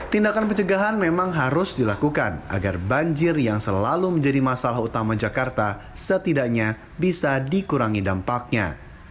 tindakan pencegahan memang harus dilakukan agar banjir yang selalu menjadi masalah utama jakarta setidaknya bisa dikurangi dampaknya